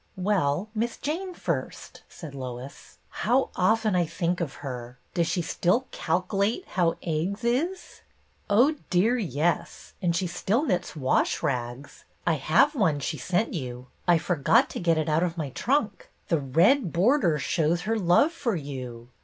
"Well, Miss Jane first," said Lois. " How often I think of her ! Does she still ' calc' late how eggs is '?" "Oh, dear, yes; and she still knits wash rags. I have one she sent you. I forgot to 26 o BETTY BAIRD get it out of my trunk. The red border shows her love for you.